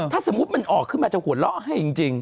ถ้าสมมุติมันออกขึ้นมาจะหัวเราะให้จริง